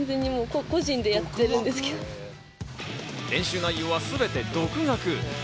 練習内容はすべて独学。